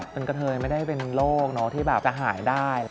เป็นกระเทยไม่ได้เป็นโรคที่แบบจะหายได้